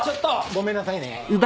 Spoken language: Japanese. ごめんなさいね。